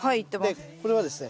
でこれはですね